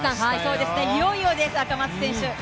いよいよです、赤松選手。